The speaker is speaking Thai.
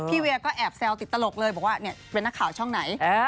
เวียก็แอบแซวติดตลกเลยบอกว่าเป็นนักข่าวช่องไหน